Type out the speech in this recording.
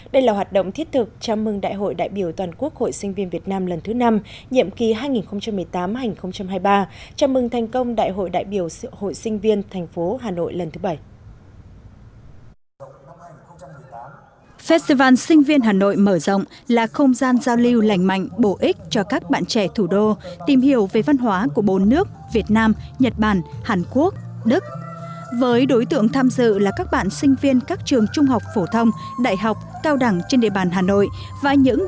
đây là hoạt động thiết thực chăm mừng đại hội đại biểu toàn quốc hội sinh viên việt nam lần thứ năm nhiệm ký hai nghìn một mươi tám hành hai mươi ba chăm mừng thành công đại hội đại biểu hội sinh viên thành phố hà nội lần thứ bảy